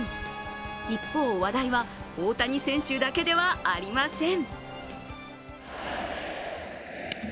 一方、話題は大谷選手だけではありません。